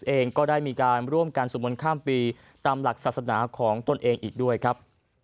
เองก็ได้มีการร่วมกันสวดมนต์ข้ามปีตามหลักศาสนาของตนเองอีกด้วยครับ